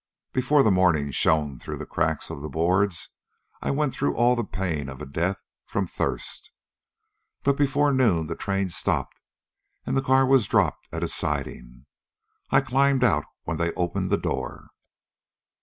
Before the morning shone through the cracks of the boards, I went through all the pain of a death from thirst. But before noon the train stopped, and the car was dropped at a siding. I climbed out when they opened the door.